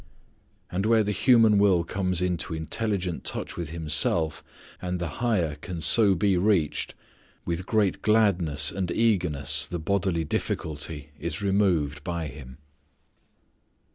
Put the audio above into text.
And where the human will comes into intelligent touch with Himself, and the higher can so be reached, with great gladness and eagerness the bodily difficulty is removed by Him.